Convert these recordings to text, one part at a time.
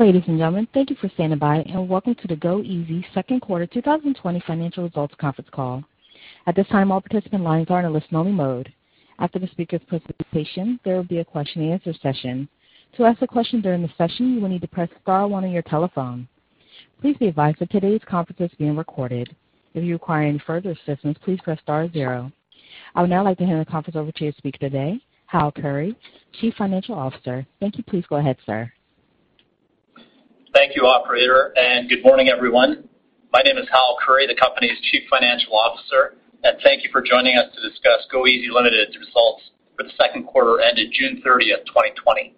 Ladies and gentlemen, thank you for standing by, and Welcome to the goeasy Second Quarter 2020 Financial Results Conference Call. At this time, all participants are in a listen-only mode. After the speaker's presentation, there will be a question and answer session. To ask a question during the session, you need to please press star one on your telephone. Please be advised that today's conference is being recorded. If you require further assistance, please press star zero. I would now like to hand the conference over to your speaker today, Hal Khouri, Chief Financial Officer. Thank you. Please go ahead, sir. Thank you, operator. Good morning, everyone. My name is Hal Khouri, the company's Chief Financial Officer. Thank you for joining us to discuss goeasy Ltd.'s results for the second quarter ended June 30, 2020.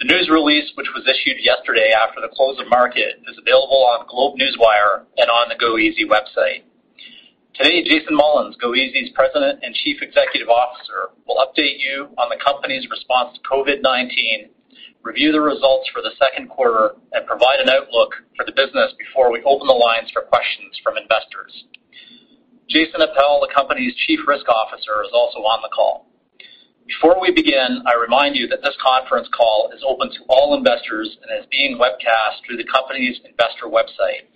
The news release, which was issued yesterday after the close of market, is available on GlobeNewswire and on the goeasy website. Today, Jason Mullins, goeasy's President and Chief Executive Officer, will update you on the company's response to COVID-19, review the results for the second quarter, and provide an outlook for the business before we open the lines for questions from investors. Jason Appel, the company's Chief Risk Officer, is also on the call. Before we begin, I remind you that this conference call is open to all investors and is being webcast through the company's investor website.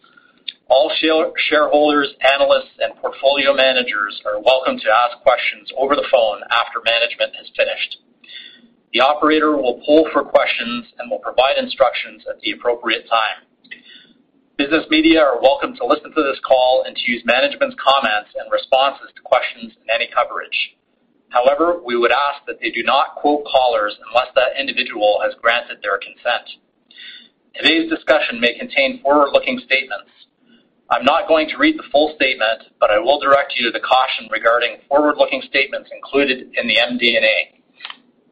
All shareholders, analysts, and portfolio managers are welcome to ask questions over the phone after management has finished. The operator will poll for questions and will provide instructions at the appropriate time. Business media are welcome to listen to this call and to use management's comments and responses to questions in any coverage. However, we would ask that they do not quote callers unless that individual has granted their consent. Today's discussion may contain forward-looking statements. I'm not going to read the full statement, but I will direct you to the caution regarding forward-looking statements included in the MD&A.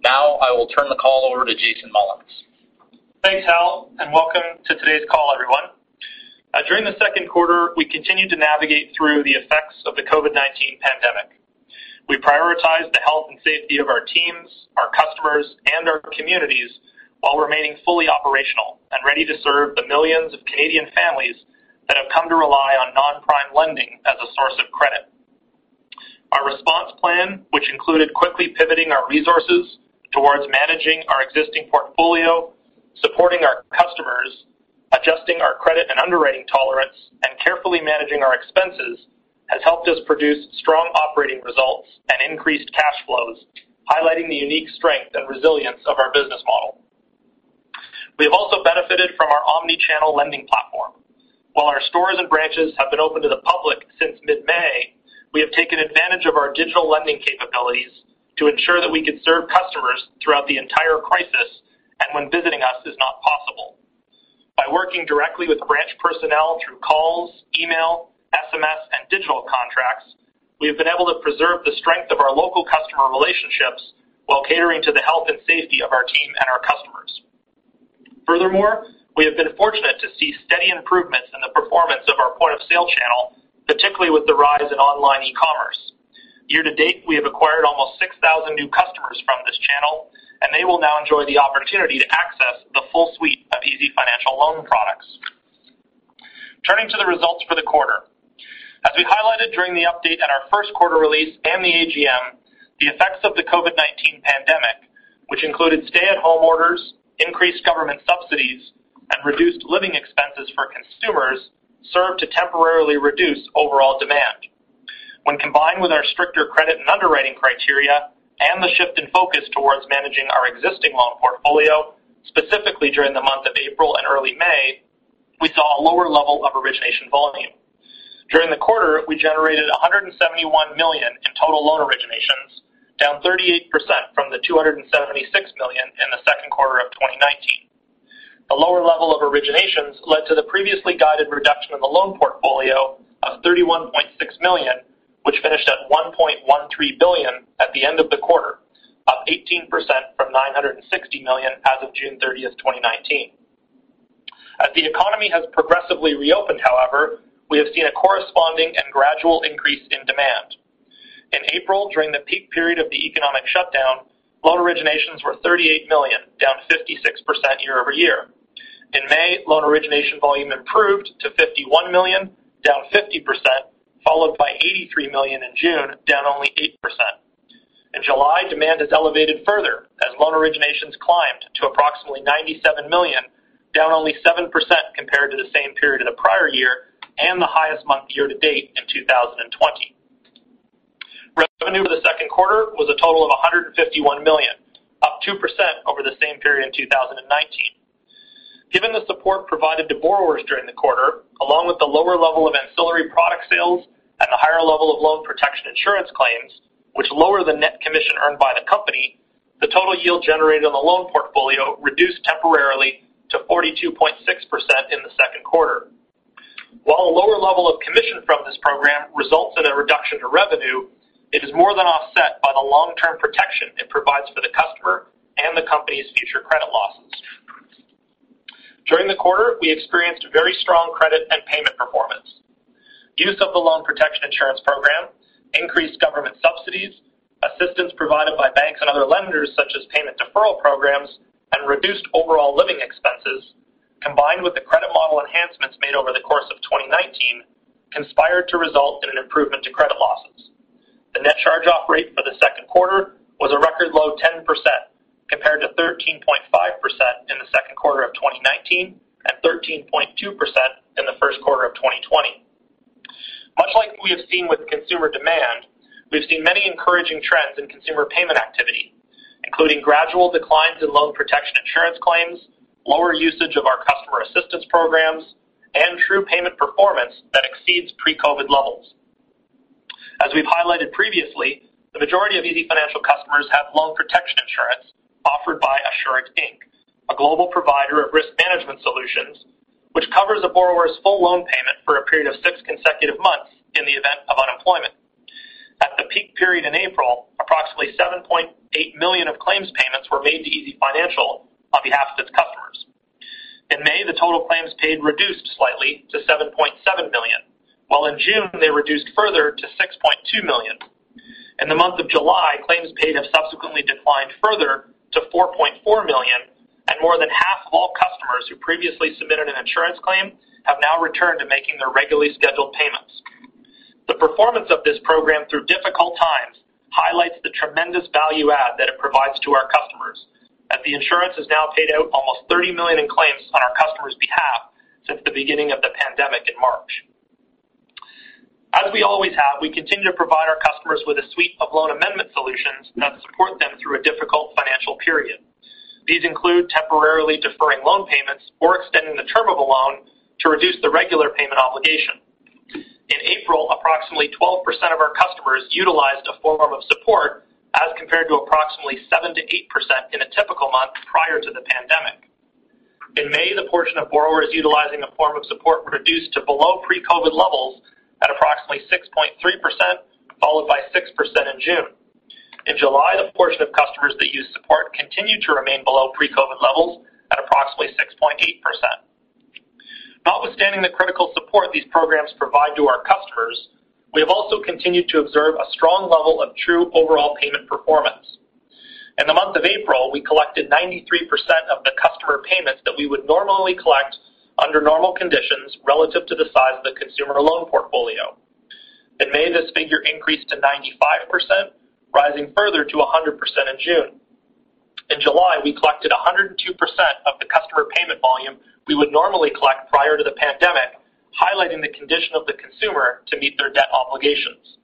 Now, I will turn the call over to Jason Mullins. Thanks, Hal, and welcome to today's call, everyone. During the second quarter, we continued to navigate through the effects of the COVID-19 pandemic. We prioritize the health and safety of our teams, our customers, and our communities while remaining fully operational and ready to serve the millions of Canadian families that have come to rely on non-prime lending as a source of credit. Our response plan, which included quickly pivoting our resources towards managing our existing portfolio, supporting our customers, adjusting our credit and underwriting tolerance, and carefully managing our expenses has helped us produce strong operating results and increased cash flows, highlighting the unique strength and resilience of our business model. We have also benefited from our omni-channel lending platform. While our stores and branches have been open to the public since mid-May, we have taken advantage of our digital lending capabilities to ensure that we could serve customers throughout the entire crisis and when visiting us is not possible. By working directly with branch personnel through calls, email, SMS, and digital contracts, we have been able to preserve the strength of our local customer relationships while catering to the health and safety of our team and our customers. Furthermore, we have been fortunate to see steady improvements in the performance of our point-of-sale channel, particularly with the rise in online e-commerce. Year to date, we have acquired almost 6,000 new customers from this channel, and they will now enjoy the opportunity to access the full suite of easyfinancial loan products. Turning to the results for the quarter. As we highlighted during the update in our first quarter release and the AGM, the effects of the COVID-19 pandemic, which included stay-at-home orders, increased government subsidies, and reduced living expenses for consumers, served to temporarily reduce overall demand. When combined with our stricter credit and underwriting criteria and the shift in focus towards managing our existing loan portfolio, specifically during the month of April and early May, we saw a lower level of origination volume. During the quarter, we generated 171 million in total loan originations, down 38% from the 276 million in the second quarter of 2019. The lower level of originations led to the previously guided reduction in the loan portfolio of 31.6 million, which finished at 1.13 billion at the end of the quarter, up 18% from 960 million as of June 30th, 2019. As the economy has progressively reopened, however, we have seen a corresponding and gradual increase in demand. In April, during the peak period of the economic shutdown, loan originations were 38 million, down 56% year-over-year. In May, loan origination volume improved to 51 million, down 50%, followed by 83 million in June, down only 8%. In July, demand has elevated further as loan originations climbed to approximately 97 million, down only 7% compared to the same period of the prior year and the highest month year to date in 2020. Revenue for the second quarter was a total of CAD 151 million, up 2% over the same period in 2019. Given the support provided to borrowers during the quarter, along with the lower level of ancillary product sales and the higher level of loan protection insurance claims, which lower the net commission earned by the company, the total yield generated on the loan portfolio reduced temporarily to 42.6% in the second quarter. While a lower level of commission from this program results in a reduction to revenue, it is more than offset by the long-term protection it provides for the customer and the company's future credit losses. During the quarter, we experienced very strong credit and payment performance. Use of the loan protection insurance program, increased government subsidies, assistance provided by banks and other lenders such as payment deferral programs, and reduced overall living expenses, combined with the credit model enhancements made over the course of 2019, conspired to result in an improvement to credit losses. The net charge-off rate for the second quarter was a record low 10%, compared to 13.5% in the second quarter of 2019 and 13.2% in the first quarter of 2020. Much like we have seen with consumer demand, we've seen many encouraging trends in consumer payment activity, including gradual declines in loan protection insurance claims, lower usage of our customer assistance programs, and true payment performance that exceeds pre-COVID levels. As we've highlighted previously, the majority of easyfinancial customers have loan protection insurance offered by Assurant, Inc., a global provider of risk management solutions, which covers a borrower's full loan payment for a period of six consecutive months in the event of unemployment. At the peak period in April, approximately 7.8 million of claims payments were made to easyfinancial on behalf of its customers. In May, the total claims paid reduced slightly to 7.7 million, while in June, they reduced further to 6.2 million. In the month of July, claims paid have subsequently declined further to 4.4 million, and more than half of all customers who previously submitted an insurance claim have now returned to making their regularly scheduled payments. The performance of this program through difficult times highlights the tremendous value add that it provides to our customers, as the insurance has now paid out almost CAD 30 million in claims on our customers' behalf since the beginning of the pandemic in March. As we always have, we continue to provide our customers with a suite of loan amendment solutions that support them through a difficult financial period. These include temporarily deferring loan payments or extending the term of a loan to reduce the regular payment obligation. In April, approximately 12% of our customers utilized a form of support, as compared to approximately 7%-8% in a typical month prior to the pandemic. In May, the portion of borrowers utilizing a form of support reduced to below pre-COVID levels at approximately 6.3%, followed by 6% in June. In July, the portion of customers that used support continued to remain below pre-COVID-19 levels at approximately 6.8%. Notwithstanding the critical support these programs provide to our customers, we have also continued to observe a strong level of true overall payment performance. In the month of April, we collected 93% of the customer payments that we would normally collect under normal conditions relative to the size of the consumer loan portfolio. In May, this figure increased to 95%, rising further to 100% in June. In July, we collected 102% of the customer payment volume we would normally collect prior to the pandemic, highlighting the condition of the consumer to meet their debt obligations.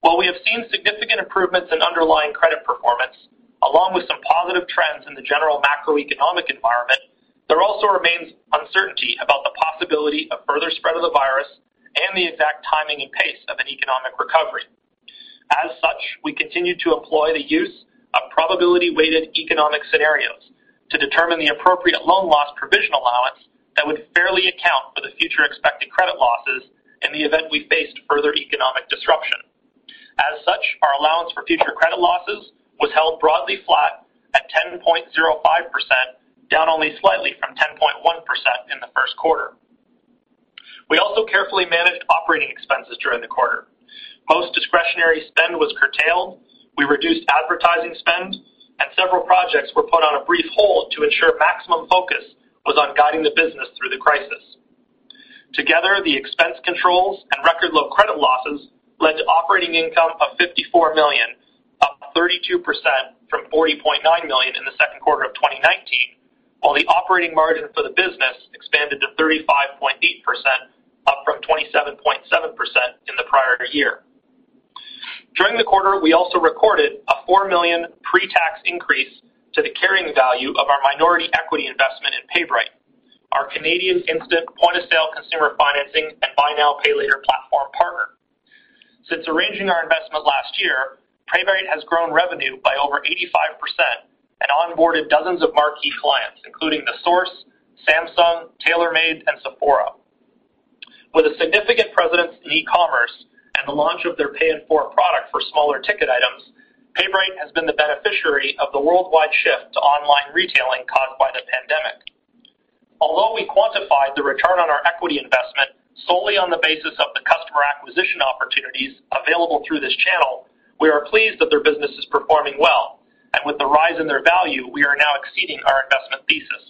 While we have seen significant improvements in underlying credit performance, along with some positive trends in the general macroeconomic environment, there also remains uncertainty about the possibility of further spread of the virus and the exact timing and pace of an economic recovery. As such, we continue to employ the use of probability-weighted economic scenarios to determine the appropriate loan loss provision allowance that would fairly account for the future expected credit losses in the event we faced further economic disruption. As such, our allowance for future credit losses was held broadly flat at 10.05%, down only slightly from 10.1% in the first quarter. We also carefully managed operating expenses during the quarter. Most discretionary spend was curtailed. We reduced advertising spend, and several projects were put on a brief hold to ensure maximum focus was on guiding the business through the crisis. Together, the expense controls and record low credit losses led to operating income of 54 million, up 32% from 40.9 million in the second quarter of 2019. While the operating margin for the business expanded to 35.8%, up from 27.7% in the prior year. During the quarter, we also recorded a 4 million pre-tax increase to the carrying value of our minority equity investment in PayBright, our Canadian instant point-of-sale consumer financing and buy now, pay later platform partner. Since arranging our investment last year, PayBright has grown revenue by over 85% and onboarded dozens of marquee clients, including The Source, Samsung, TaylorMade, and Sephora. With a significant presence in e-commerce and the launch of their pay-in-four product for smaller ticket items, PayBright has been the beneficiary of the worldwide shift to online retailing caused by the pandemic. Although we quantified the return on our equity investment solely on the basis of the customer acquisition opportunities available through this channel, we are pleased that their business is performing well, and with the rise in their value, we are now exceeding our investment thesis.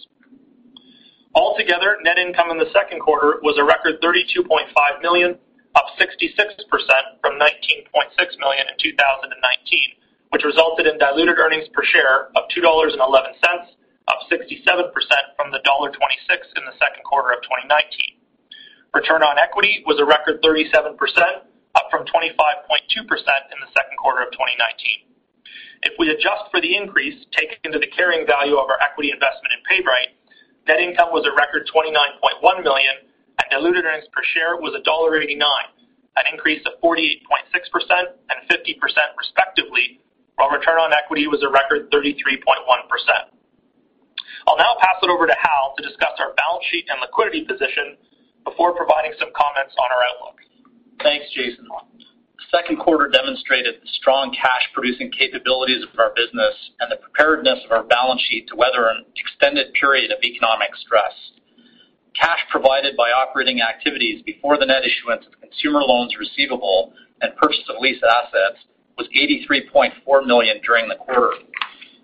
Altogether, net income in the second quarter was a record 32.5 million, up 66% from 19.6 million in 2019, which resulted in diluted earnings per share of 2.11 dollars, up 67% from the dollar 1.26 in the second quarter of 2019. Return on equity was a record 37%, up from 25.2% in the second quarter of 2019. If we adjust for the increase taken to the carrying value of our equity investment in PayBright, net income was a record 29.1 million and diluted earnings per share was dollar 1.89, an increase of 48.6% and 50%, respectively, while return on equity was a record 33.1%. I'll now pass it over to Hal to discuss our balance sheet and liquidity position before providing some comments on our outlook. Thanks, Jason. The second quarter demonstrated the strong cash-producing capabilities of our business and the preparedness of our balance sheet to weather an extended period of economic stress. Cash provided by operating activities before the net issuance of consumer loans receivable and purchase of lease assets was 83.4 million during the quarter,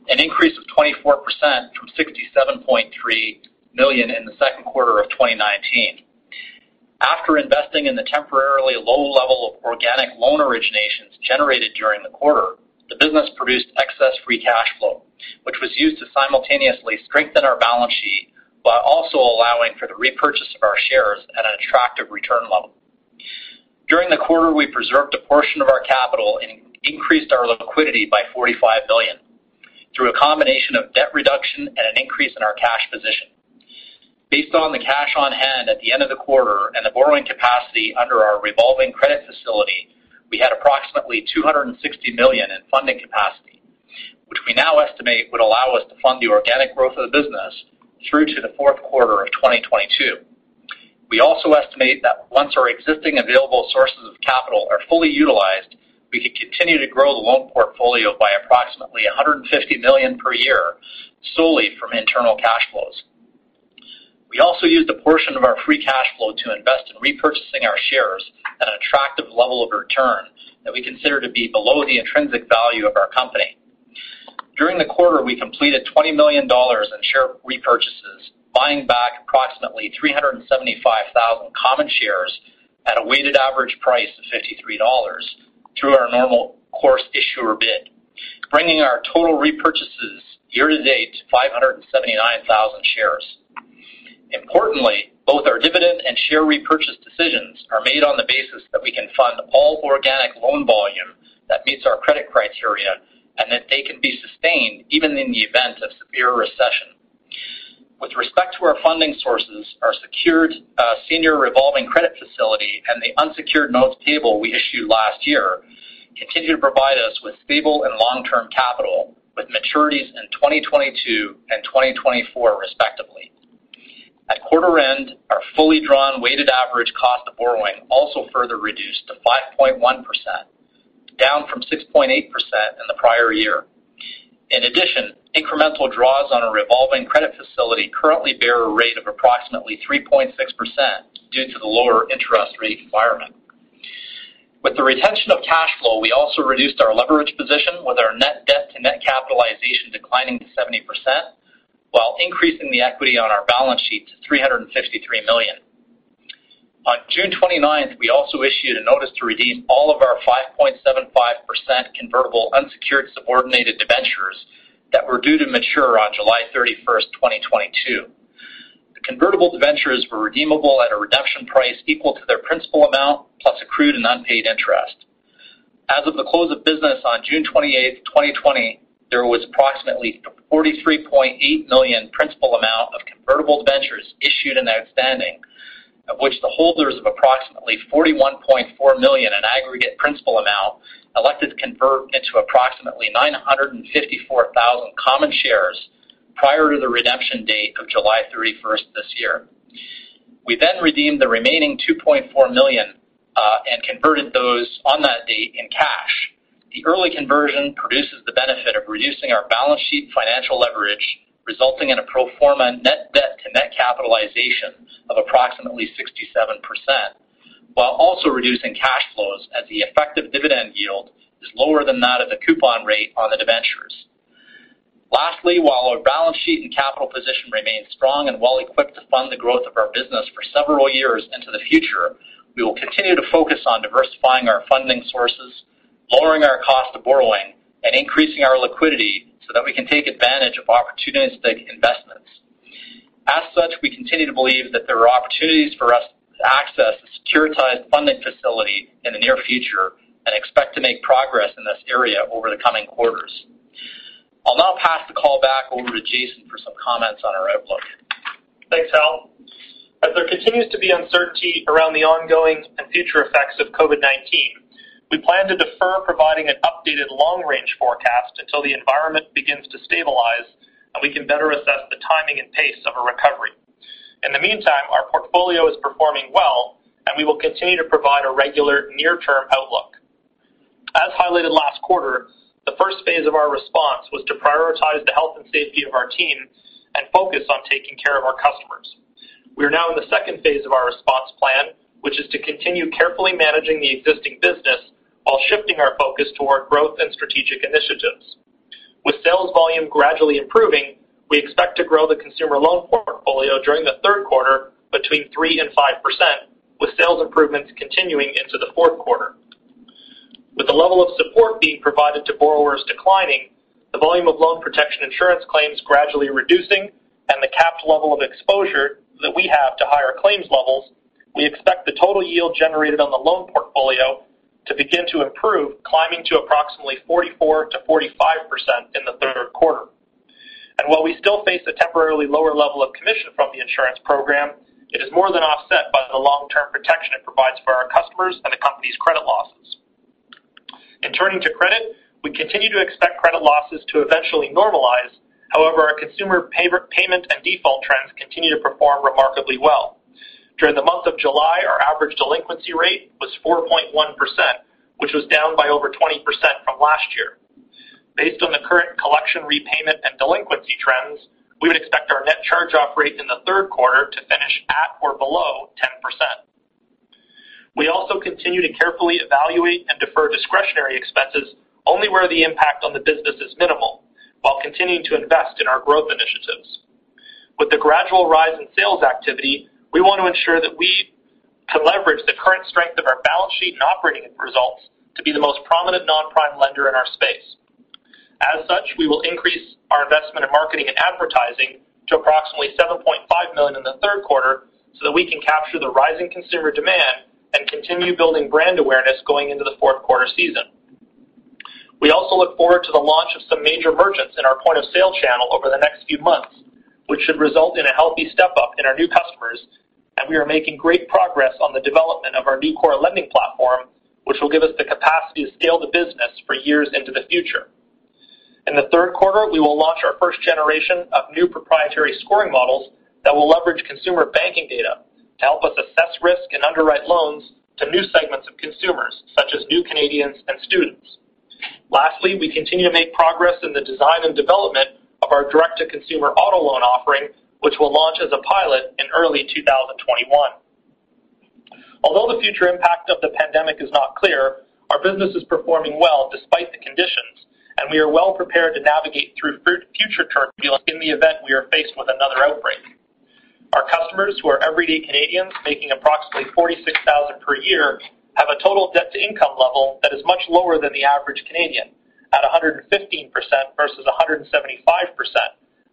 an increase of 24% to CAD 67..3 million in the second quarter of 2019. After investing in the temporarily low level of organic loan originations generated during the quarter, the business produced excess free cash flow, which was used to simultaneously strengthen our balance sheet while also allowing for the repurchase of our shares at an attractive return level. During the quarter, we preserved a portion of our capital and increased our liquidity by 45 million through a combination of debt reduction and an increase in our cash position. Based on the cash on hand at the end of the quarter and the borrowing capacity under our revolving credit facility, we had approximately 260 million in funding capacity, which we now estimate would allow us to fund the organic growth of the business through to the fourth quarter of 2022. We also estimate that once our existing available sources of capital are fully utilized, we could continue to grow the loan portfolio by approximately 150 million per year, solely from internal cash flows. We also used a portion of our free cash flow to invest in repurchasing our shares at an attractive level of return that we consider to be below the intrinsic value of our company. During the quarter, we completed 20 million dollars in share repurchases, buying back approximately 375,000 common shares at a weighted average price of 53 dollars through our Normal Course Issuer Bid, bringing our total repurchases year to date to 579,000 shares. Importantly, both our dividend and share repurchase decisions are made on the basis that we can fund all organic loan volume that meets our credit criteria and that they can be sustained even in the event of severe recession. With respect to our funding sources, our secured senior revolving credit facility and the unsecured notes payable we issued last year continue to provide us with stable and long-term capital with maturities in 2022 and 2024, respectively. At quarter end, our fully drawn weighted average cost of borrowing also further reduced to 5.1%, down from 6.8% in the prior year. In addition, incremental draws on a revolving credit facility currently bear a rate of approximately 3.6% due to the lower interest rate environment. With the retention of cash flow, we also reduced our leverage position with our net debt to net capitalization declining to 70%, while increasing the equity on our balance sheet to 353 million. On June 29th, we also issued a notice to redeem all of our 5.75% convertible unsecured subordinated debentures that were due to mature on July 31st, 2022. The convertible debentures were redeemable at a redemption price equal to their principal amount plus accrued and unpaid interest. As of the close of business on June 28th, 2020, there was approximately 43.8 million principal amount of convertible debentures issued and outstanding, of which the holders of approximately 41.4 million in aggregate principal amount elected to convert into approximately 954,000 common shares prior to the redemption date of July 31st this year. We redeemed the remaining 2.4 million and converted those on that date in cash. The early conversion produces the benefit of reducing our balance sheet financial leverage, resulting in a pro forma net debt to net capitalization of approximately 67%, while also reducing cash flows as the effective dividend yield is lower than that of the coupon rate on the debentures. Lastly, while our balance sheet and capital position remains strong and well equipped to fund the growth of our business for several years into the future, we will continue to focus on diversifying our funding sources, lowering our cost of borrowing, and increasing our liquidity so that we can take advantage of opportunistic investments. We continue to believe that there are opportunities for us to access a securitized funding facility in the near future and expect to make progress in this area over the coming quarters. I'll now pass the call back over to Jason for some comments on our outlook. Thanks, Hal. As there continues to be uncertainty around the ongoing and future effects of COVID-19, we plan to defer providing an updated long-range forecast until the environment begins to stabilize and we can better assess the timing and pace of a recovery. In the meantime, our portfolio is performing well, and we will continue to provide a regular near-term outlook. As highlighted last quarter, the first phase of our response was to prioritize the health and safety of our team and focus on taking care of our customers. We are now in the second phase of our response plan, which is to continue carefully managing the existing business while shifting our focus toward growth and strategic initiatives. With sales volume gradually improving, we expect to grow the consumer loan portfolio during the third quarter between 3% and 5%, with sales improvements continuing into the fourth quarter. With the level of support being provided to borrowers declining, the volume of loan protection insurance claims gradually reducing, and the capped level of exposure that we have to higher claims levels, we expect the total yield generated on the loan portfolio to begin to improve, climbing to approximately 44%-45% in the third quarter. While we still face a temporarily lower level of commission from the insurance program, it is more than offset by the long-term protection it provides for our customers and the company's credit losses. In turning to credit, we continue to expect credit losses to eventually normalize. However, our consumer payment and default trends continue to perform remarkably well. During the month of July, our average delinquency rate was 4.1%, which was down by over 20% from last year. Based on the current collection repayment and delinquency trends, we would expect our net charge-off rate in the third quarter to finish at or below. We continue to carefully evaluate and defer discretionary expenses only where the impact on the business is minimal, while continuing to invest in our growth initiatives. With the gradual rise in sales activity, we want to ensure that we can leverage the current strength of our balance sheet and operating results to be the most prominent non-prime lender in our space. As such, we will increase our investment in marketing and advertising to approximately 7.5 million in the third quarter so that we can capture the rising consumer demand and continue building brand awareness going into the fourth-quarter season. We also look forward to the launch of some major merchants in our point-of-sale channel over the next few months, which should result in a healthy step-up in our new customers, and we are making great progress on the development of our new core lending platform, which will give us the capacity to scale the business for years into the future. In the third quarter, we will launch our first generation of new proprietary scoring models that will leverage consumer banking data to help us assess risk and underwrite loans to new segments of consumers, such as new Canadians and students. Lastly, we continue to make progress in the design and development of our direct-to-consumer auto loan offering, which will launch as a pilot in early 2021. Although the future impact of the pandemic is not clear, our business is performing well despite the conditions, and we are well prepared to navigate through future turbulence in the event we are faced with another outbreak. Our customers, who are everyday Canadians making approximately 46,000 per year, have a total debt-to-income level that is much lower than the average Canadian, at 115% versus 175%,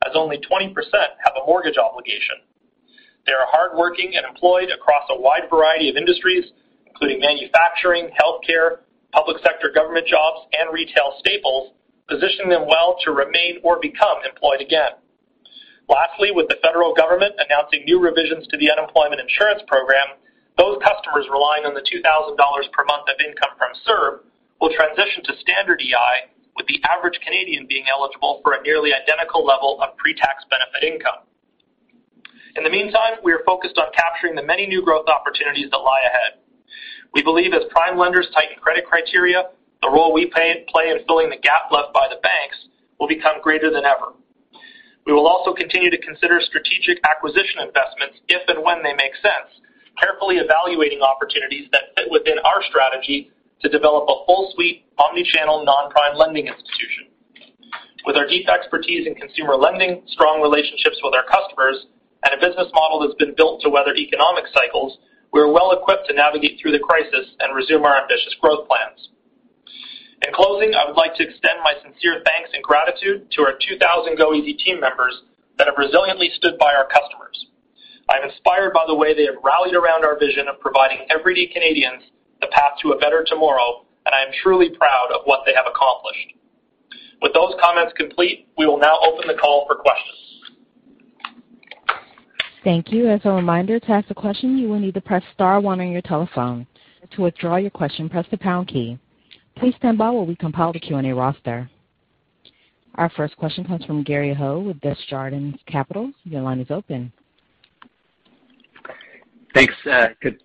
as only 20% have a mortgage obligation. They are hardworking and employed across a wide variety of industries, including manufacturing, healthcare, public sector government jobs, and retail staples, positioning them well to remain or become employed again. Lastly, with the federal government announcing new revisions to the unemployment insurance program, those customers relying on the 2,000 dollars per month of income from CERB will transition to standard EI, with the average Canadian being eligible for a nearly identical level of pre-tax benefit income. In the meantime, we are focused on capturing the many new growth opportunities that lie ahead. We believe as prime lenders tighten credit criteria, the role we play in filling the gap left by the banks will become greater than ever. We will also continue to consider strategic acquisition investments if and when they make sense, carefully evaluating opportunities that fit within our strategy to develop a full suite, omni-channel, non-prime lending institution. With our deep expertise in consumer lending, strong relationships with our customers, and a business model that's been built to weather economic cycles, we're well equipped to navigate through the crisis and resume our ambitious growth plans. In closing, I would like to extend my sincere thanks and gratitude to our 2,000 goeasy team members that have resiliently stood by our customers. I'm inspired by the way they have rallied around our vision of providing everyday Canadians the path to a better tomorrow, and I am truly proud of what they have accomplished. With those comments complete, we will now open the call for questions. Thank you. As a reminder, to ask a question, you will need to press star one on your telephone. To withdraw your question, press the pound key. Please stand by while we compile the Q&A roster. Our first question comes from Gary Ho with Desjardins Capital. Your line is open. Thanks.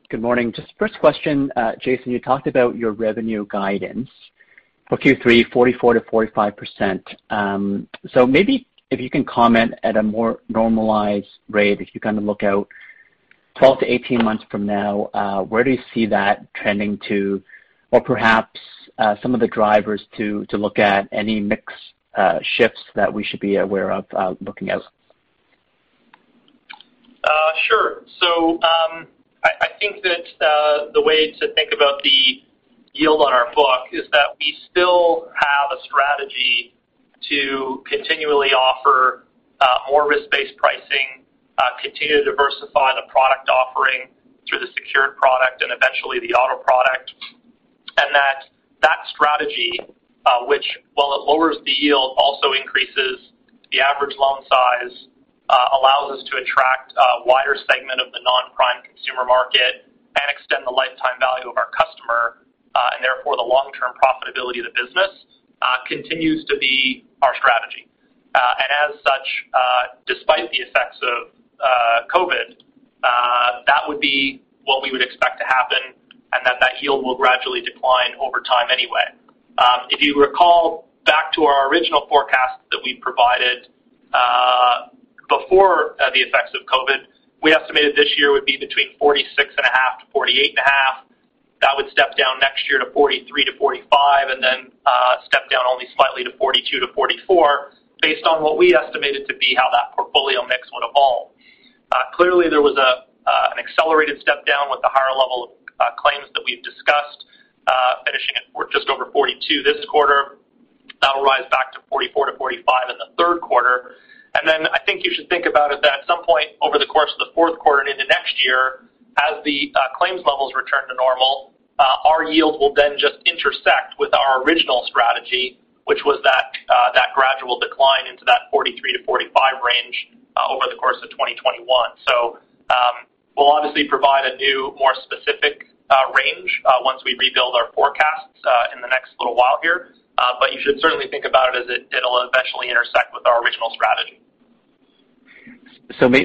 Good morning. Just first question, Jason, you talked about your revenue guidance for Q3, 44%-45%. Maybe if you can comment at a more normalized rate, if you look out 12 to 18 months from now, where do you see that trending to? Perhaps some of the drivers to look at any mix shifts that we should be aware of looking at. Sure. I think that the way to think about the yield on our book is that we still have a strategy to continually offer more risk-based pricing, continue to diversify the product offering through the secured product and eventually the auto product. That strategy, which while it lowers the yield, also increases the average loan size, allows us to attract a wider segment of the non-prime consumer market and extend the lifetime value of our customer. Therefore, the long-term profitability of the business continues to be our strategy. As such, despite the effects of COVID, that would be what we would expect to happen, and that yield will gradually decline over time anyway. If you recall back to our original forecast that we provided before the effects of COVID, we estimated this year would be between 46.5%-48.5%. That would step down next year to 43-45, then step down only slightly to 42-44, based on what we estimated to be how that portfolio mix would evolve. Clearly, there was an accelerated step down with the higher level of claims that we've discussed, finishing at just over 42 this quarter. That'll rise back to 44-45 in the third quarter. Then I think you should think about it that at some point over the course of the fourth quarter and into next year, as the claims levels return to normal, our yields will then just intersect with our original strategy, which was that gradual decline into that 43-45 range over the course of 2021. We'll obviously provide a new, more specific range once we rebuild our forecasts in the next little while here. You should certainly think about it as it'll eventually intersect with our original strategy.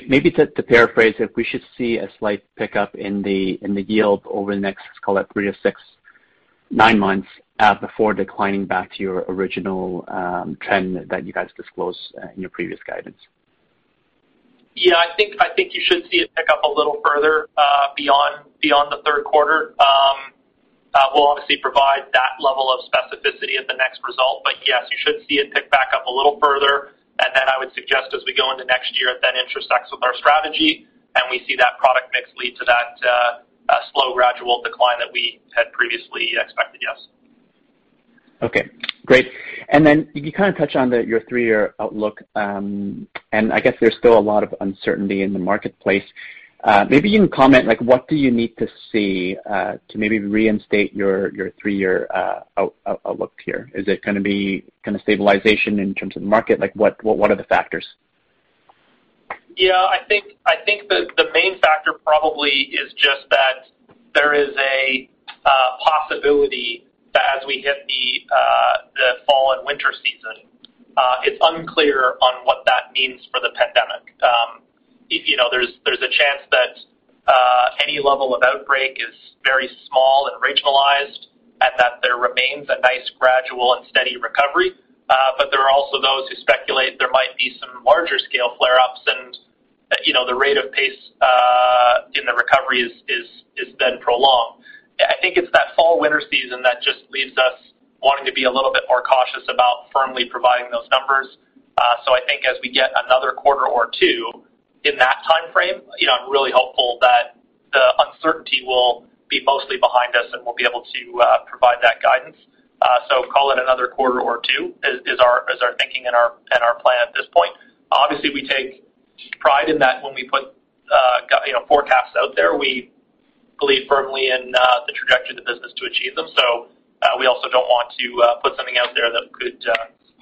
Maybe to paraphrase, if we should see a slight pickup in the yield over the next, let's call it three to six, nine months before declining back to your original trend that you guys disclosed in your previous guidance. Yeah, I think you should see it pick up a little further beyond the third quarter. We'll obviously provide that level of specificity at the next result. Yes, you should see it pick back up a little further. I would suggest as we go into next year, that intersects with our strategy, and we see that product mix lead to that slow gradual decline that we had previously expected. Yes. Okay, great. Then you kind of touched on your three-year outlook. I guess there's still a lot of uncertainty in the marketplace. Maybe you can comment, what do you need to see to maybe reinstate your three-year outlook here? Is it going to be stabilization in terms of the market? What are the factors? Yeah, I think the main factor probably is just that there is a possibility that as we hit the fall and winter season it's unclear on what that means for the pandemic. There's a chance that any level of outbreak is very small and regionalized, and that there remains a nice gradual and steady recovery. There are also those who speculate there might be some larger scale flare-ups and the rate of pace in the recovery is then prolonged. I think it's that fall winter season that just leaves us wanting to be a little bit more cautious about firmly providing those numbers. I think as we get another quarter or two in that timeframe, I'm really hopeful that the uncertainty will be mostly behind us, and we'll be able to provide that guidance. Call it another quarter or two is our thinking and our plan at this point. Obviously, we take pride in that when we put forecasts out there. We believe firmly in the trajectory of the business to achieve them. We also don't want to put something out there that could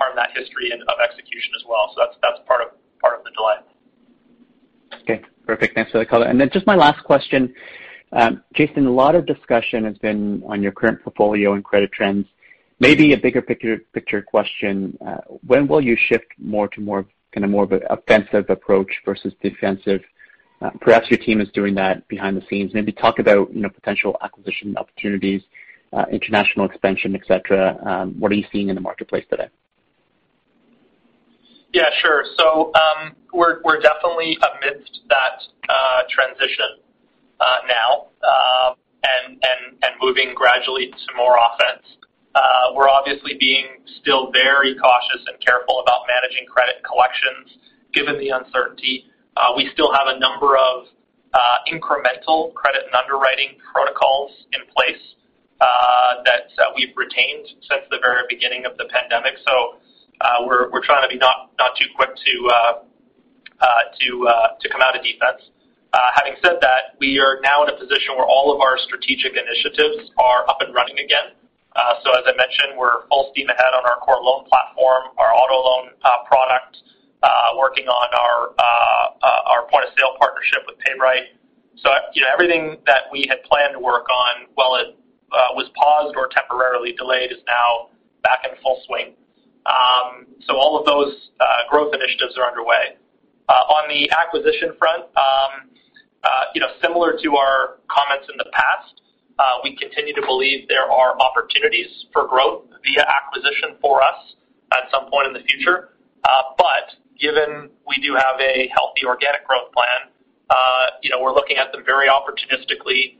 harm that history of execution as well. That's part of the delay. Okay, perfect. Thanks for the color. Just my last question. Jason, a lot of discussion has been on your current portfolio and credit trends. Maybe a bigger picture question. When will you shift more to kind of more of an offensive approach versus defensive? Perhaps your team is doing that behind the scenes. Maybe talk about potential acquisition opportunities, international expansion, et cetera. What are you seeing in the marketplace today? Yeah, sure. We're definitely amidst that transition now and moving gradually to more offense. We're obviously being still very cautious and careful about managing credit and collections given the uncertainty. We still have a number of incremental credit and underwriting protocols in place that we've retained since the very beginning of the pandemic. We're trying to be not too quick to come out of defense. Having said that, we are now in a position where all of our strategic initiatives are up and running again. As I mentioned, we're full steam ahead on our core loan platform, our auto loan product, working on our point-of-sale partnership with PayBright. Everything that we had planned to work on while it was paused or temporarily delayed is now back in full swing. All of those growth initiatives are underway. On the acquisition front, similar to our comments in the past, we continue to believe there are opportunities for growth via acquisition for us at some point in the future. Given we do have a healthy organic growth plan, we're looking at them very opportunistically.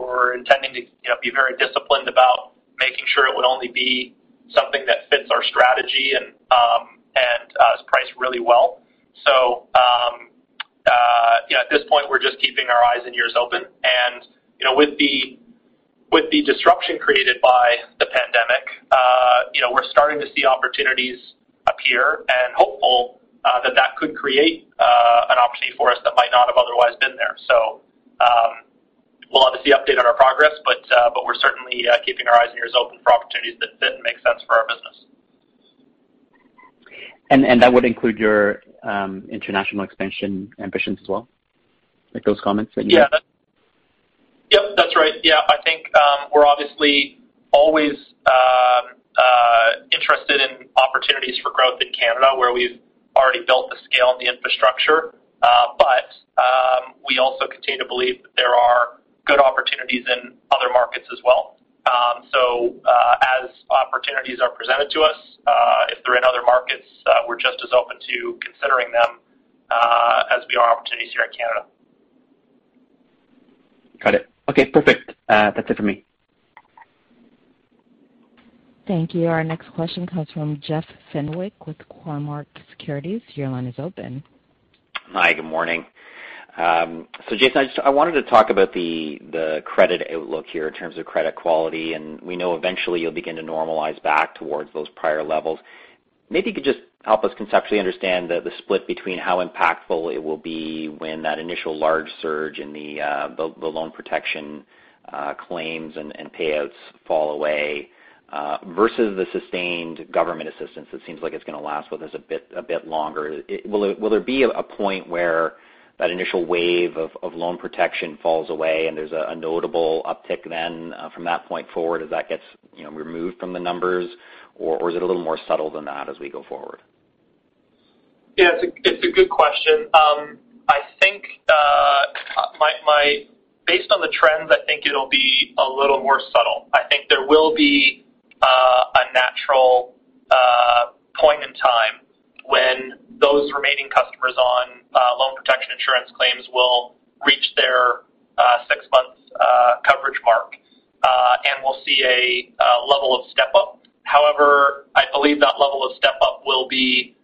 We're intending to be very disciplined about making sure it would only be something that fits our strategy and is priced really well. At this point, we're just keeping our eyes and ears open. With the disruption created by the pandemic, we're starting to see opportunities appear and hopeful that that could create an opportunity for us that might not have otherwise been there. We'll obviously update on our progress, but we're certainly keeping our eyes and ears open for opportunities that make sense for our business. That would include your international expansion ambitions as well? Like those comments that you made. Yeah. Yep, that's right. Yeah. I think we're obviously always interested in opportunities for growth in Canada, where we’ve already built the scale and the infrastructure. We also continue to believe that there are good opportunities in other markets as well. As opportunities are presented to us, if they’re in other markets, we’re just as open to considering them as we are opportunities here in Canada. Got it. Okay, perfect. That's it for me. Thank you. Our next question comes from Jeff Fenwick with Cormark Securities. Your line is open. Hi, good morning. Jason, I wanted to talk about the credit outlook here in terms of credit quality, and we know eventually you'll begin to normalize back towards those prior levels. Maybe you could just help us conceptually understand the split between how impactful it will be when that initial large surge in the loan protection claims and payouts fall away versus the sustained government assistance that seems like it's going to last with us a bit longer. Will there be a point where that initial wave of loan protection falls away and there's a notable uptick then from that point forward as that gets removed from the numbers? Or is it a little more subtle than that as we go forward? Yeah, it's a good question. Based on the trends, I think it'll be a little more subtle. I think there will be a point in time when those remaining customers on loan protection insurance claims will reach their six months coverage mark, and we'll see a level of step-up. However, I believe that level of step-up will be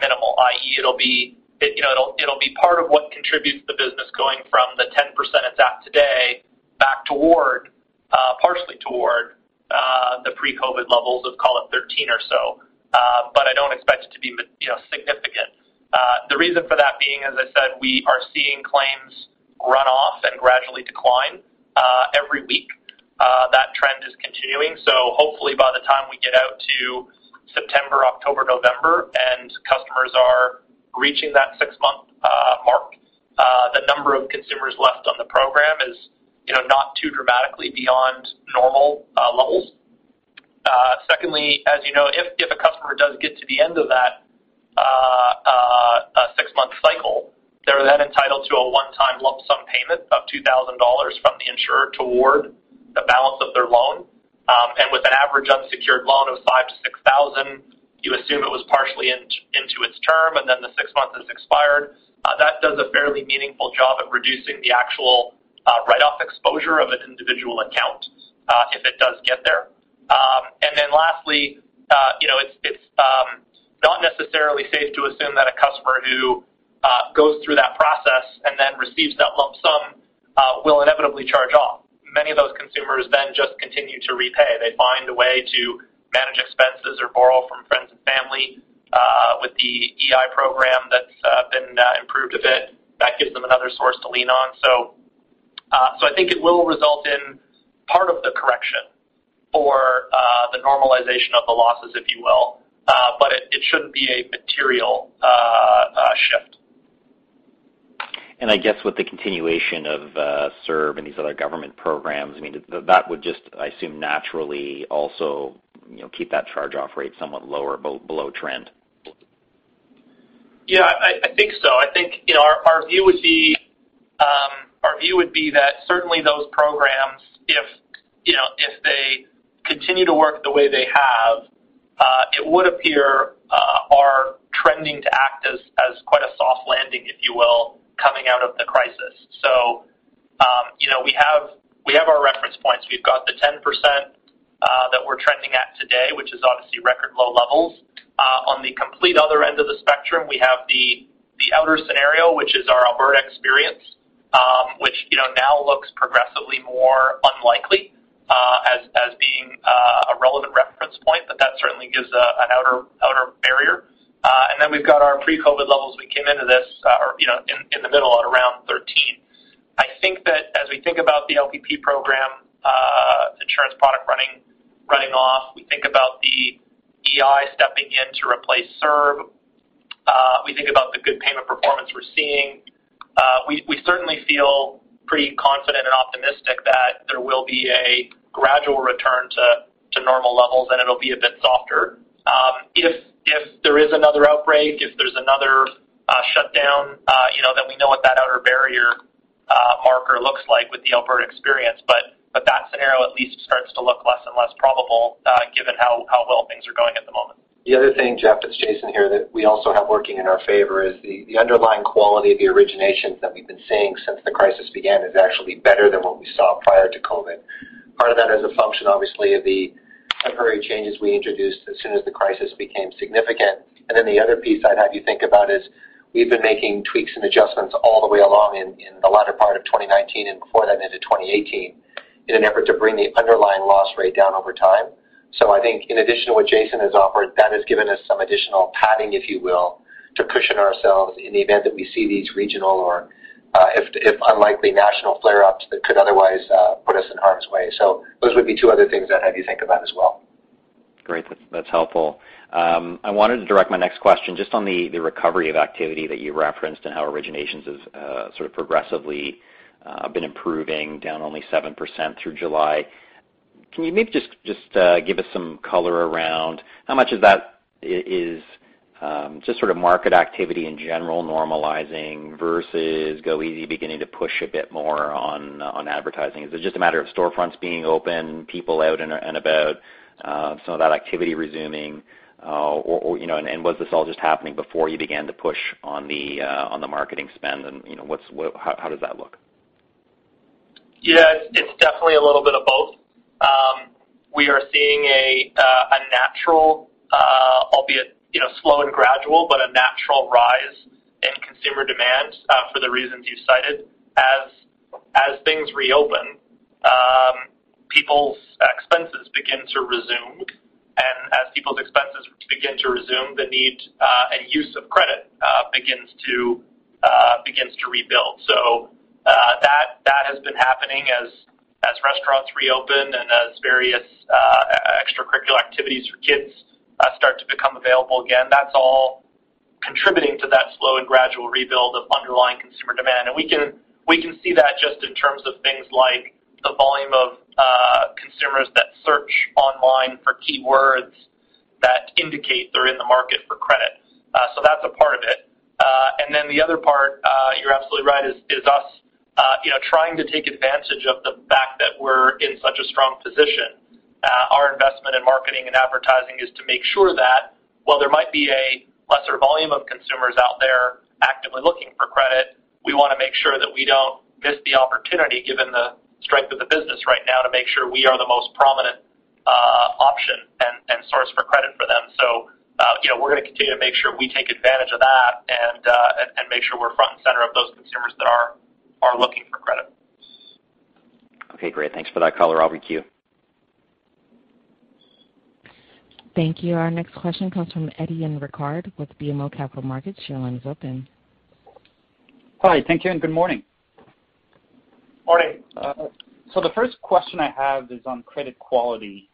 minimal, i.e., it'll be part of what contributes the business going from the 10% it's at today back partially toward the pre-COVID-19 levels of call it 13 or so. I don't expect it to be significant. The reason for that being, as I said, we are seeing claims run off and gradually decline every week. That trend is continuing. Hopefully by the time we get out to September, October, November, and customers are reaching that six-month mark, the number of consumers left on the program is not too dramatically beyond normal levels. Secondly, as you know, if a customer does get to the end of that six-month cycle, they're then entitled to a one-time lump sum payment of 2,000 dollars from the insurer toward the balance of their loan. With an average unsecured loan of 5,000-6,000, you assume it was partially into its term, and then the six months has expired. That does a fairly meaningful job at reducing the actual write-off exposure of an individual account, if it does get there. Lastly, it's not necessarily safe to assume that a customer who goes through that process and then receives that lump sum will inevitably charge off. Many of those consumers just continue to repay. They find a way to manage expenses or borrow from friends and family. With the EI program that's been improved a bit, that gives them another source to lean on. I think it will result in part of the correction for the normalization of the losses, if you will. It shouldn't be a material shift. I guess with the continuation of CERB and these other government programs, that would just, I assume, naturally also keep that charge-off rate somewhat lower, below trend. I think so. I think our view would be that certainly those programs, if they continue to work the way they have, it would appear are trending to act as quite a soft landing, if you will, coming out of the crisis. We have our reference points. We've got the 10% that we're trending at today, which is obviously record low levels. On the complete other end of the spectrum, we have the outer scenario, which is our Alberta experience, which now looks progressively more unlikely as being a relevant reference point. That certainly gives an outer barrier. Then we've got our pre-COVID levels. We came into this in the middle at around 13. I think that as we think about the LPP program insurance product running off, we think about the EI stepping in to replace CERB. We think about the good payment performance we're seeing. We certainly feel pretty confident and optimistic that there will be a gradual return to normal levels, and it'll be a bit softer. If there is another outbreak, if there's another shutdown, then we know what that outer barrier marker looks like with the Alberta experience. That scenario at least starts to look less and less probable given how well things are going at the moment. The other thing, Jeff, it's Jason here, that we also have working in our favor is the underlying quality of the originations that we've been seeing since the crisis began is actually better than what we saw prior to COVID. Part of that is a function, obviously, of the temporary changes we introduced as soon as the crisis became significant. Then the other piece I'd have you think about is we've been making tweaks and adjustments all the way along in the latter part of 2019 and before then into 2018 in an effort to bring the underlying loss rate down over time. I think in addition to what Jason has offered, that has given us some additional padding, if you will, to cushion ourselves in the event that we see these regional or, if unlikely, national flare-ups that could otherwise put us in harm's way. Those would be two other things I'd have you think about as well. Great. That's helpful. I wanted to direct my next question just on the recovery of activity that you referenced and how originations has sort of progressively been improving, down only 7% through July. Can you maybe just give us some color around how much of that is just sort of market activity in general normalizing versus goeasy beginning to push a bit more on advertising? Is it just a matter of storefronts being open, people out and about, some of that activity resuming? Was this all just happening before you began to push on the marketing spend, and how does that look? Yeah, it's definitely a little bit of both. We are seeing a natural, albeit slow and gradual, but a natural rise in consumer demand for the reasons you cited. As things reopen, people's expenses begin to resume. As people's expenses begin to resume, the need and use of credit begins to rebuild. That has been happening as restaurants reopen and as various extracurricular activities for kids start to become available again. That's all contributing to that slow and gradual rebuild of underlying consumer demand. We can see that just in terms of things like the volume of consumers that search online for keywords that indicate they're in the market for credit. The other part, you're absolutely right, is us trying to take advantage of the fact that we're in such a strong position. Our investment in marketing and advertising is to make sure that while there might be a lesser volume of consumers out there actively looking for credit, we want to sure that we don't miss the opportunity, given the strength of the business right now, to make sure we are the most prominent option and source for credit for them. We're going to continue to make sure we take advantage of that and make sure we're front and center of those consumers that are looking for credit. Okay, great. Thanks for that, color. I'll requeue. Thank you. Our next question comes from Etienne Ricard with BMO Capital Markets. Your line is open. Hi. Thank you, and good morning. Morning. The first question I have is on credit quality.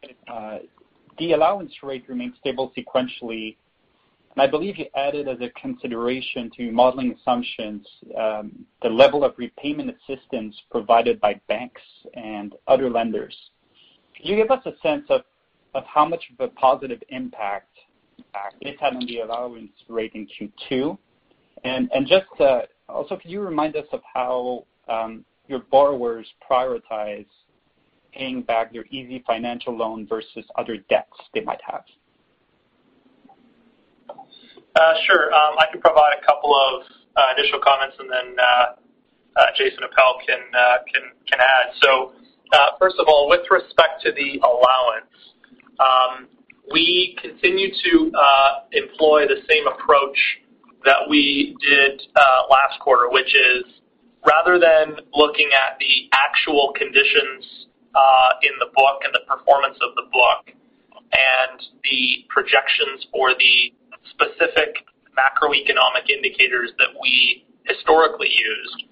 The allowance rate remains stable sequentially, and I believe you added as a consideration to modeling assumptions the level of repayment assistance provided by banks and other lenders. Can you give us a sense of how much of a positive impact this had on the allowance rate in Q2? Just also, can you remind us of how your borrowers prioritize paying back their easyfinancial loan versus other debts they might have? Sure. I can provide a couple of initial comments and then Jason Appel can add. First of all, with respect to the allowance, we continue to employ the same approach that we did last quarter, which is rather than looking at the actual conditions in the book and the performance of the book and the projections for the specific macroeconomic indicators that we historically used,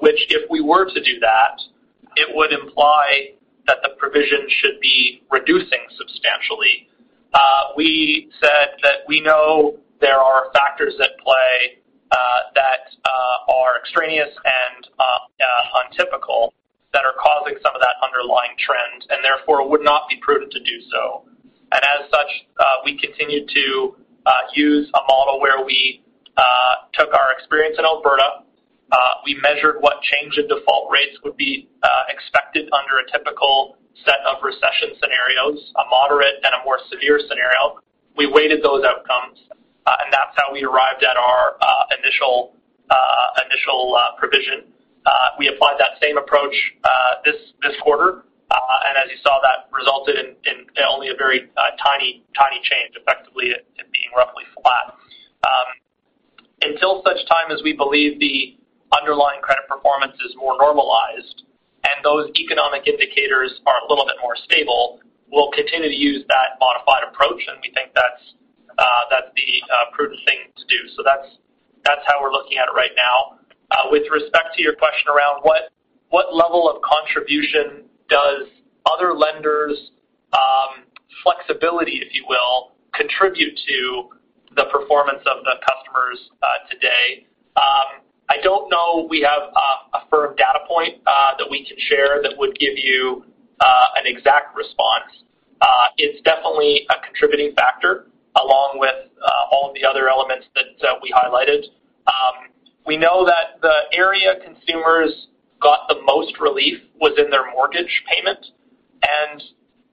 which if we were to do that, it would imply that the provision should be reducing substantially. We said that we know there are factors at play that are extraneous and untypical that are causing some of that underlying trend, and therefore it would not be prudent to do so. As such, we continued to use a model where we took our experience in Alberta. We measured what change in default rates would be expected under a typical set of recession scenarios, a moderate and a more severe scenario. We weighted those outcomes, and that's how we arrived at our initial provision. We applied that same approach this quarter. As you saw, that resulted in only a very tiny change, effectively it being roughly flat. Until such time as we believe the underlying credit performance is more normalized and those economic indicators are a little bit more stable, we'll continue to use that modified approach, and we think that's the prudent thing to do. That's how we're looking at it right now. With respect to your question around what level of contribution does other lenders' flexibility, if you will, contribute to the performance of the customers today. I don't know we have a firm data point that we can share that would give you an exact response. It's definitely a contributing factor along with all of the other elements that we highlighted. We know that the area consumers got the most relief was in their mortgage payment.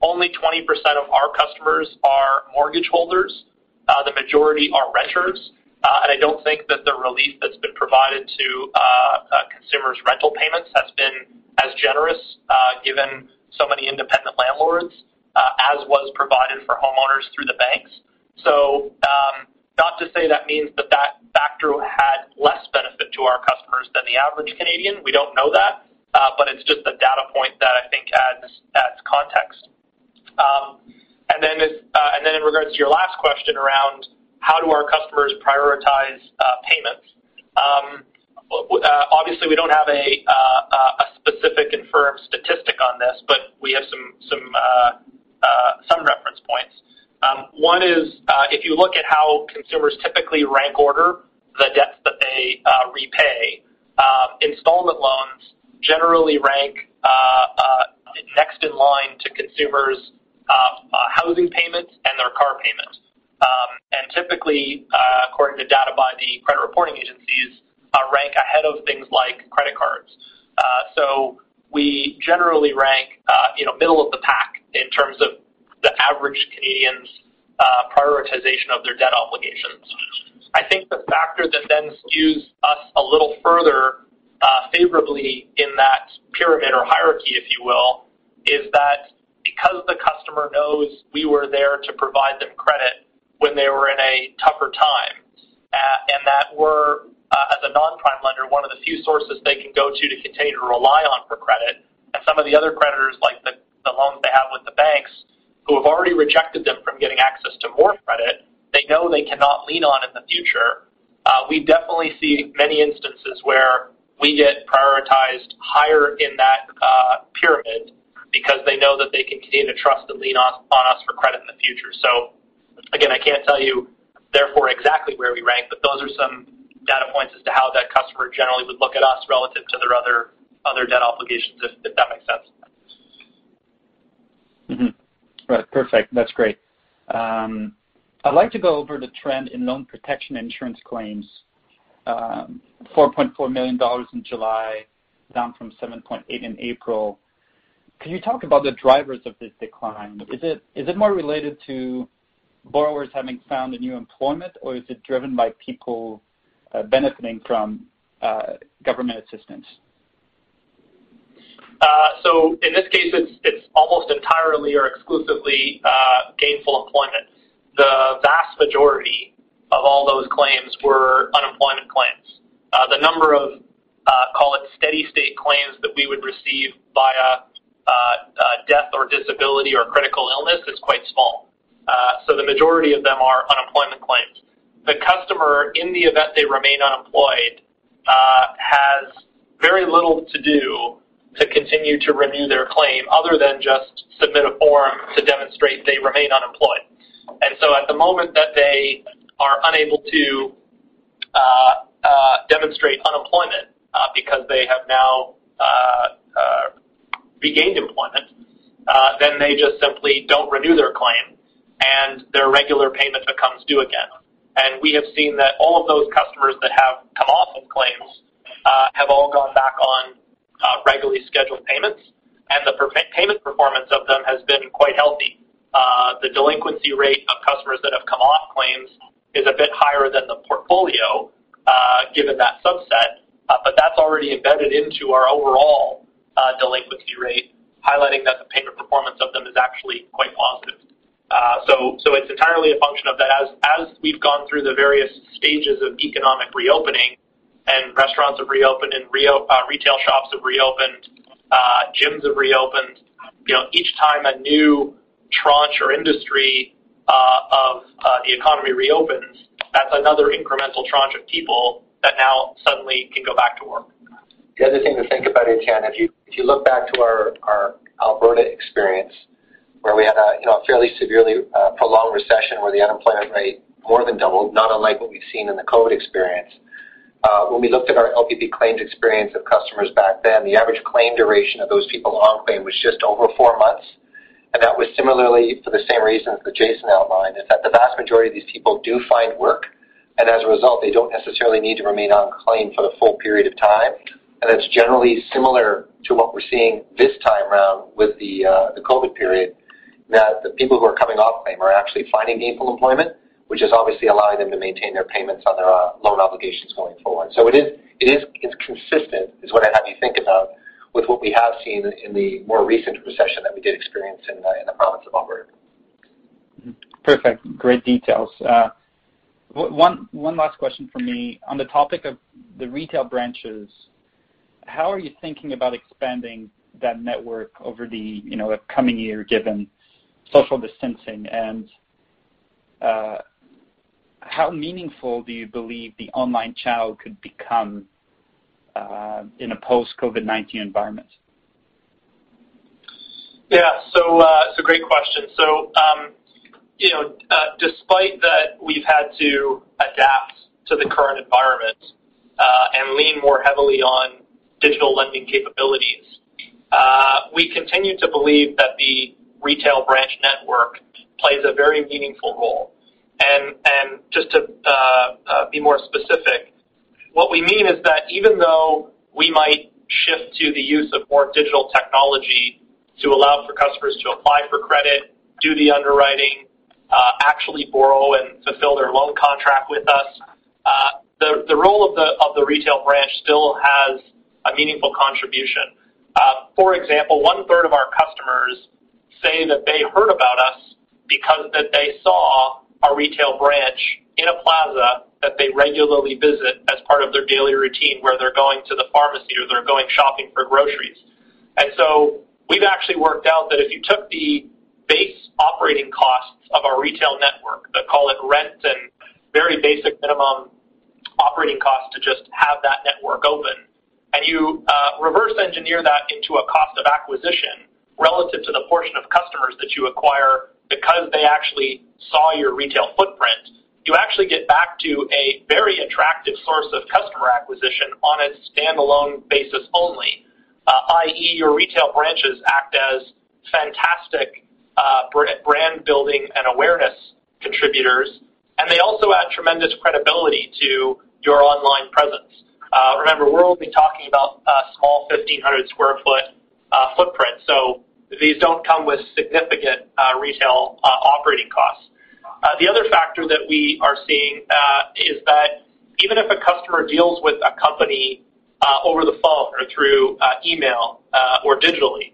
Only 20% of our customers are mortgage holders. The majority are renters. I don't think that the relief that's been provided to consumers' rental payments has been as generous, given so many independent landlords, as was provided for homeowners through the banks. Not to say that means that factor had less benefit to our customers than the average Canadian. We don't know that. It's just a data point that I think adds context. In regards to your last question around how do our customers prioritize payments? Obviously, we don't have a specific and firm statistic on this, but we have some reference points. One is if you look at how consumers typically rank order the debts that they repay, installment loans generally rank next in line to consumers' housing payments and their car payments. Typically, according to data by the credit reporting agencies, rank ahead of things like credit cards. We generally rank middle of the pack in terms of the average Canadian's prioritization of their debt obligations. I think the factor that then skews us a little further favorably in that pyramid or hierarchy, if you will, is that because the customer knows we were there to provide them credit when they were in a tougher time. That we're, as a non-prime lender, one of the few sources they can go to to continue to rely on for credit. Some of the other creditors like the loans they have with the banks who have already rejected them from getting access to more credit, they know they cannot lean on in the future. We definitely see many instances where we get prioritized higher in that pyramid because they know that they can continue to trust and lean on us for credit in the future. Again, I can't tell you, therefore exactly where we rank, but those are some data points as to how that customer generally would look at us relative to their other debt obligations if- Right. Perfect. That's great. I'd like to go over the trend in loan protection insurance claims. 4.4 million dollars in July, down from 7.8 million in April. Can you talk about the drivers of this decline? Is it more related to borrowers having found a new employment, or is it driven by people benefiting from government assistance? In this case, it's almost entirely or exclusively gainful employment. The vast majority of all those claims were unemployment claims. The number of, call it steady state claims that we would receive via death or disability or critical illness is quite small. The majority of them are unemployment claims. The customer, in the event they remain unemployed, has very little to do to continue to renew their claim other than just submit a form to demonstrate they remain unemployed. At the moment that they are unable to demonstrate unemployment because they have now regained employment, then they just simply don't renew their claim and their regular payment becomes due again. We have seen that all of those customers that have come off of claims have all gone back on regularly scheduled payments, and the payment performance of them has been quite healthy. The delinquency rate of customers that have come off claims is a bit higher than the portfolio given that subset. That's already embedded into our overall delinquency rate, highlighting that the payment performance of them is actually quite positive. It's entirely a function of that. As we've gone through the various stages of economic reopening and restaurants have reopened and retail shops have reopened, gyms have reopened. Each time a new tranche or industry of the economy reopens, that's another incremental tranche of people that now suddenly can go back to work. The other thing to think about, Etienne, if you look back to our Alberta experience where we had a fairly severely prolonged recession where the unemployment rate more than doubled, not unlike what we've seen in the COVID-19 experience. When we looked at our LPP claims experience of customers back then, the average claim duration of those people on claim was just over four months. That was similarly for the same reasons that Jason outlined, is that the vast majority of these people do find work, and as a result, they don't necessarily need to remain on claim for the full period of time. It's generally similar to what we're seeing this time around with the COVID-19 period, that the people who are coming off claim are actually finding gainful employment, which has obviously allowed them to maintain their payments on their loan obligations going forward. It is consistent, is what I'd have you think about with what we have seen in the more recent recession than we did experience in the province of Alberta. Perfect. Great details. One last question from me. On the topic of the retail branches, how are you thinking about expanding that network over the upcoming year, given social distancing? How meaningful do you believe the online channel could become in a post-COVID-19 environment? Yeah. Great question. Despite that we've had to adapt to the current environment and lean more heavily on digital lending capabilities, we continue to believe that the retail branch network plays a very meaningful role. Just to be more specific, what we mean is that even though we might shift to the use of more digital technology to allow for customers to apply for credit, do the underwriting, actually borrow and fulfill their loan contract with us, the role of the retail branch still has a meaningful contribution. For example, one-third of our customers say that they heard about us because they saw a retail branch in a plaza that they regularly visit as part of their daily routine, where they're going to the pharmacy or they're going shopping for groceries. We've actually worked out that if you took the base operating costs of our retail network, the call it rent and very basic minimum operating costs to just have that network open, and you reverse engineer that into a cost of acquisition relative to the portion of customers that you acquire because they actually saw your retail footprint, you actually get back to a very attractive source of customer acquisition on a standalone basis only, i.e., your retail branches act as fantastic brand-building and awareness contributors, and they also add tremendous credibility to your online presence. Remember, we're only talking about a small 1,500 sq ft footprint, so these don't come with significant retail operating costs. The other factor that we are seeing is that even if a customer deals with a company over the phone or through email or digitally,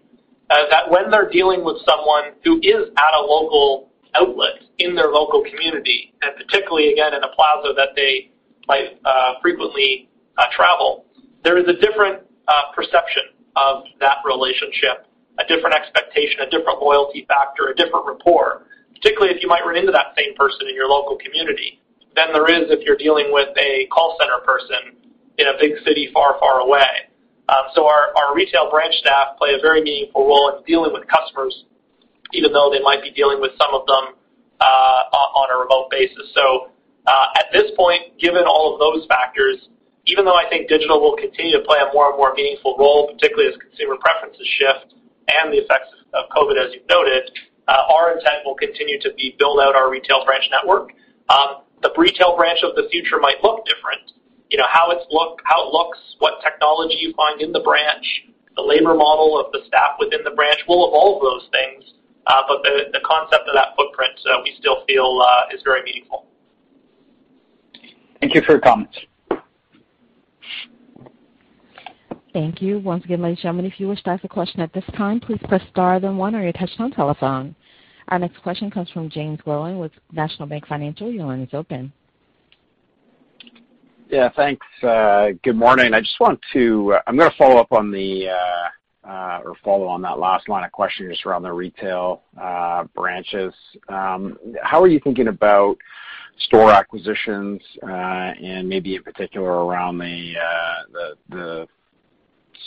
that when they're dealing with someone who is at a local outlet in their local community, and particularly, again, in a plaza that they might frequently travel, there is a different perception of that relationship, a different expectation, a different loyalty factor, a different rapport, particularly if you might run into that same person in your local community than there is if you're dealing with a call center person in a big city far, far away. Our retail branch staff play a very meaningful role in dealing with customers, even though they might be dealing with some of them on a remote basis. At this point, given all of those factors, even though I think digital will continue to play a more and more meaningful role, particularly as consumer preferences shift and the effects of COVID as you've noted, our intent will continue to be build out our retail branch network. The retail branch of the future might look different. How it looks, what technology you find in the branch, the labor model of the staff within the branch, we'll evolve those things. The concept of that footprint, we still feel is very meaningful. Thank you for your comments. Thank you. Once again, ladies and gentlemen, if you wish to ask a question at this time, please press star then one on your touchtone telephone. Our next question comes from Jaeme Gloyn with National Bank Financial. Your line is open. Yeah, thanks. Good morning. I'm going to follow up on that last line of questioning just around the retail branches. How are you thinking about store acquisitions, and maybe in particular around the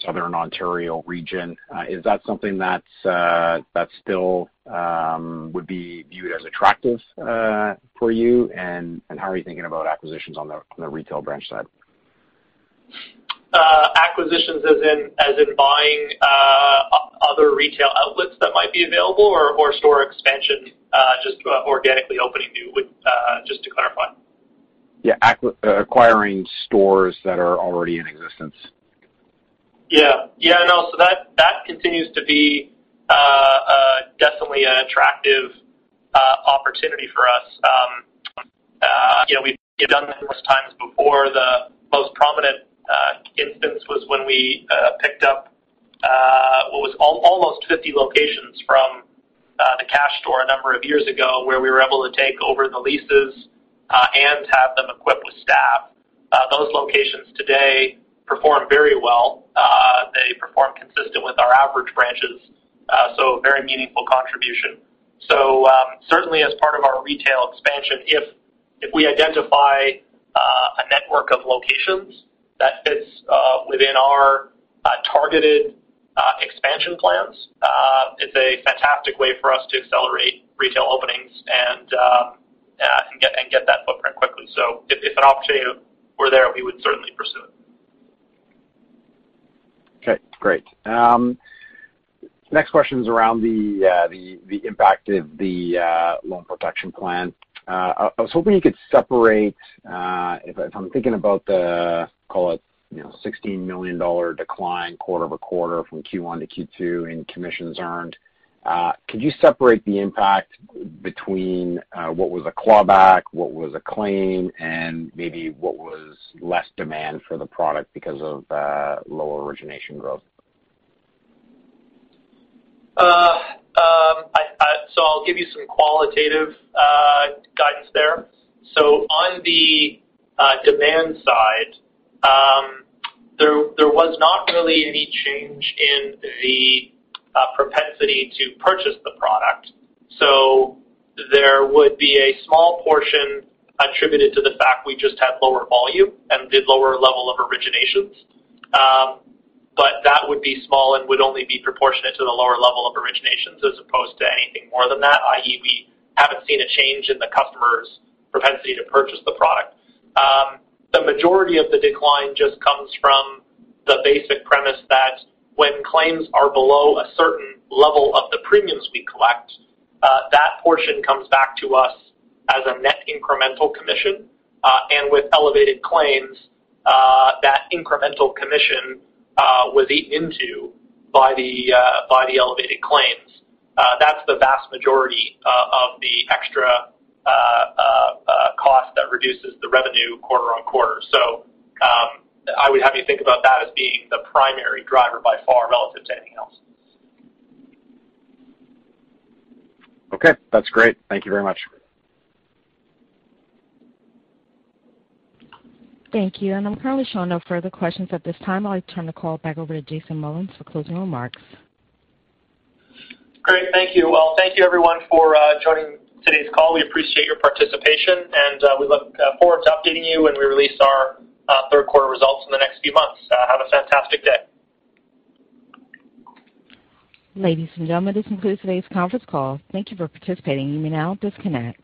Southern Ontario region? Is that something that still would be viewed as attractive for you? How are you thinking about acquisitions on the retail branch side? Acquisitions as in buying other retail outlets that might be available or store expansion, just organically opening new, just to clarify? Yeah. Acquiring stores that are already in existence. Yeah, no. That continues to be definitely an attractive opportunity for us. We've done numerous times before. The most prominent instance was when we picked up what was almost 50 locations from The Cash Store a number of years ago, where we were able to take over the leases and have them equipped with staff. Those locations today perform very well. They perform consistent with our average branches, so very meaningful contribution. Certainly as part of our retail expansion, if we identify a network of locations that fits within our targeted expansion plans, it's a fantastic way for us to accelerate retail openings and get that footprint quickly. If an opportunity were there, we would certainly pursue it. Okay, great. Next question's around the impact of the loan protection plan. I was hoping you could separate, if I'm thinking about the, call it 16 million dollar decline quarter-over-quarter from Q1 to Q2 in commissions earned. Could you separate the impact between what was a clawback, what was a claim, and maybe what was less demand for the product because of lower origination growth? I'll give you some qualitative guidance there. On the demand side, there was not really any change in the propensity to purchase the product. There would be a small portion attributed to the fact we just had lower volume and did lower level of originations. That would be small and would only be proportionate to the lower level of originations as opposed to anything more than that, i.e., we haven't seen a change in the customer's propensity to purchase the product. The majority of the decline just comes from the basic premise that when claims are below a certain level of the premiums we collect, that portion comes back to us as a net incremental commission. With elevated claims, that incremental commission was eaten into by the elevated claims. That's the vast majority of the extra cost that reduces the revenue quarter-over-quarter. I would have you think about that as being the primary driver by far relative to anything else. Okay, that's great. Thank you very much. Thank you. I'm currently showing no further questions at this time. I'll turn the call back over to Jason Mullins for closing remarks. Great. Thank you. Well, thank you everyone for joining today's call. We appreciate your participation, and we look forward to updating you when we release our third quarter results in the next few months. Have a fantastic day. Ladies and gentlemen, this concludes today's conference call. Thank you for participating. You may now disconnect.